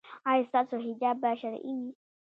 ایا ستاسو حجاب به شرعي وي؟